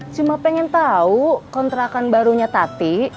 cuma pengen tahu kontrakan barunya tati